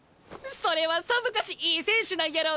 それはさぞかしいい選手なんやろうな！